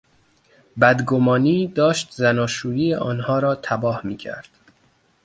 بدگمانی داشت زناشویی آنها را تباه میکرد.